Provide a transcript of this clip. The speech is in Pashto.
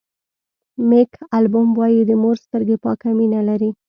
مېک البوم وایي د مور سترګې پاکه مینه لري.